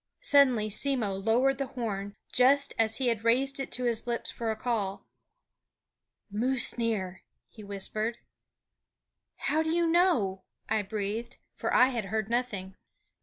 Suddenly Simmo lowered the horn, just as he had raised it to his lips for a call. "Moose near!" he whispered. "How do you know?" I breathed; for I had heard nothing.